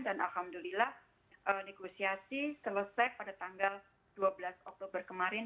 dan alhamdulillah negosiasi selesai pada tanggal dua belas oktober kemarin